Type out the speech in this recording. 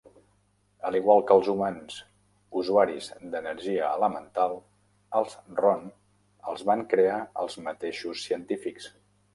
A l'igual que els humans usuaris d'energia elemental, els Ron els van crear els mateixos científics.